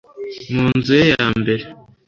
mu nzu ye ya mbere